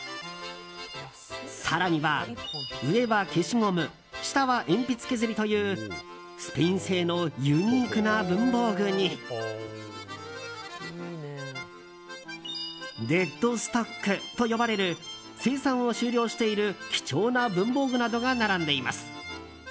更には、上は消しゴム下は鉛筆削りというスペイン製のユニークな文房具にデッドストックと呼ばれる生産を終了している、貴重な文房具などが並んでいます。